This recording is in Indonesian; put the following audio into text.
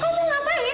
kamu mau ngapain